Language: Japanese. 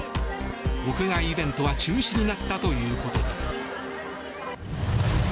屋外イベントは中止になったということです。